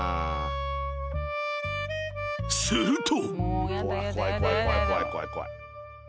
［すると］